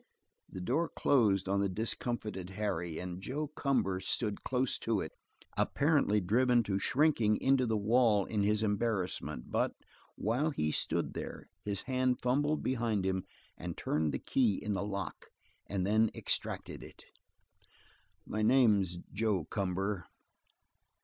The door closed on the discomfited Harry, and "Joe Cumber" stood close to it, apparently driven to shrinking into the wall in his embarrassment, but while he stood there his hand fumbled behind him and turned the key in the lock, and then extracted it. "My name's Joe Cumber."